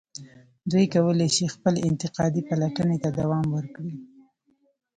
دوی کولای شي خپلې انتقادي پلټنې ته دوام ورکړي.